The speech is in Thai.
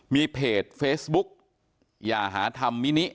มีเพจเฟซบุ๊กอย่าหาธรรมมินิ